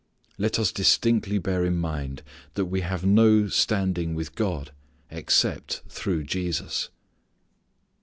Let us distinctly bear in mind that we have no standing with God except through Jesus.